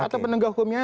atau penegak hukumnya